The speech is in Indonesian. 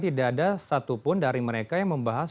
tidak ada satupun dari mereka yang membahas